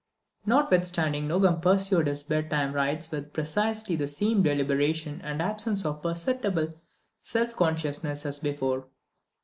Notwithstanding, Nogam pursued his bedtime rites with precisely the same deliberation and absence of perceptible self consciousness as before.